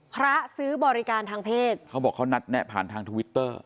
ซื้อบริการทางเพศเขาบอกเขานัดแนะผ่านทางทวิตเตอร์